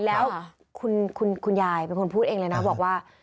แล้วคุณยายเป็นคนพูดเองเลยนะบอกว่า